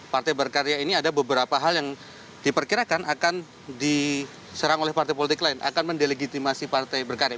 partai berkarya ini ada beberapa hal yang diperkirakan akan diserang oleh partai politik lain akan mendelegitimasi partai berkarya